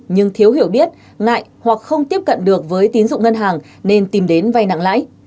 nhưng thiếu hiểu biết ngại hoặc không tiếp cận được với tín dụng ngân hàng nên tìm đến vay nặng lãi